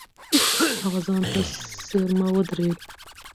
هغه ځان ته څېرمه ودرېد.